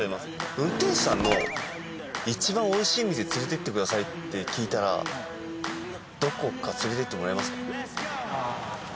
運転手さんの一番美味しい店連れてってくださいって聞いたらどこか連れてってもらえますか？